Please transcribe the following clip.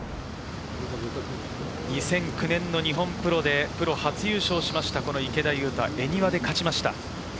２００９年の日本プロでプロ初優勝した池田勇太、恵庭で勝ちました。